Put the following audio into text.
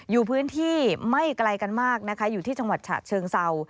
อยู่พื้นที่ไม่ไกลกันมากนะคะอยู่ที่จังหวัดฉะเชิงเศร้า